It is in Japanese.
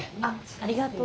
あありがとう。